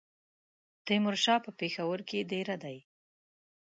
تیمورشاه په پېښور کې دېره دی.